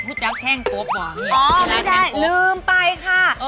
อ๋อไม่ใช่ลืมไปค่ะ